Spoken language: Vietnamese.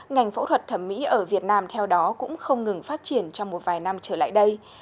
ngành phẫu thuật thẩm mỹ ở việt nam theo đó cũng không ngừng phát triển trong một vài năm trở lại đây